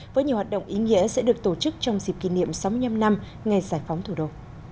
với nhiều hoạt động ý nghĩa sẽ được tổ chức trong dịp kỷ niệm sáu mươi năm năm ngày giải phóng thủ đô